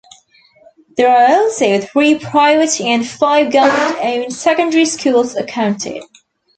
There are also three private and five government-owned secondary schools accounted.